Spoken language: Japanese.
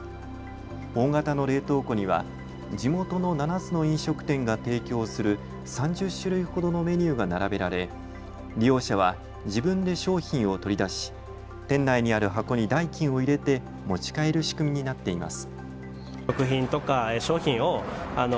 大型の冷凍庫には地元の７つの飲食店が提供する３０種類ほどのメニューが並べられ利用者は自分で商品を取り出し、店内にある箱に代金を入れて持ち帰る仕組みになっています。